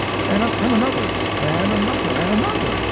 —and up come another! and another! and another!